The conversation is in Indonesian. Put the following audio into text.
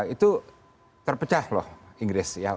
itu terpecah loh inggris ya